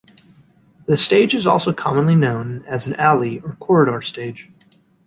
The stage is also commonly known as an alley or corridor stage.